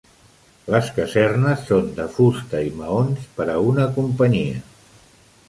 Les casernes són de fusta i maons, per a una companyia.